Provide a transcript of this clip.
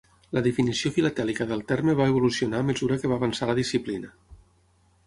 La definició filatèlica del terme va evolucionar a mesura que va avançar la disciplina.